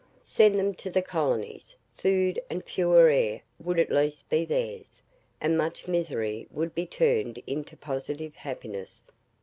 Send them to the colonies food and pure air would at least be theirs and much misery would be turned into positive happiness.